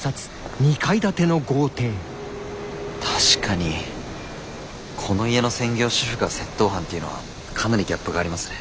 確かにこの家の専業主婦が窃盗犯っていうのはかなりギャップがありますね。